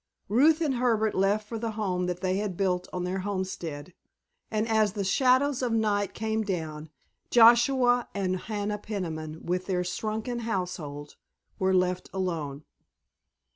Ruth and Herbert left for the home that had been built on their homestead, and as the shadows of night came down Joshua and Hannah Peniman with their shrunken household were left alone.